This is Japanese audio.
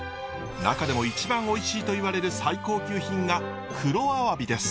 中でも一番おいしいといわれる最高級品が黒アワビです。